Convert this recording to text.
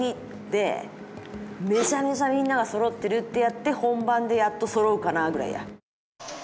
で、めちゃめちゃみんながそろってるってやって本番でやっとそろうかなぐらい。